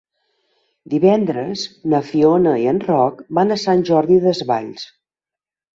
Divendres na Fiona i en Roc van a Sant Jordi Desvalls.